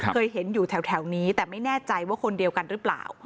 เคยเห็นอยู่แถวนี้แต่ไม่แน่ใจว่าคนเดียวกันหรือเปล่า